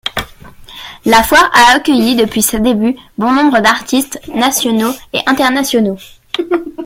La Foire a accueilli depuis ses débuts bon nombre d'artistes nationaux et internationaux.